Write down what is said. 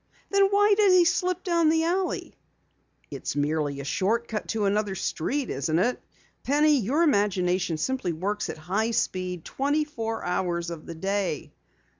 "Then why did he slip down the alley?" "It's merely a short cut to another street, isn't it? Penny, your imagination simply works at high speed twenty four hours of the day."